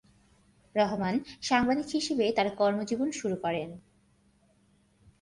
রহমান সাংবাদিক হিসেবে তার কর্মজীবন শুরু করেন।